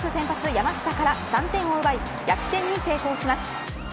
山下から３点を奪い逆転に成功します。